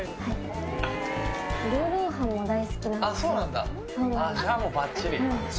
ルーローハンも大好きなんですよ。